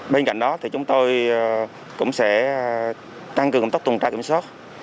bên cạnh đó thì chúng tôi cũng sẽ tăng cường tốc tùng trại kiểm soát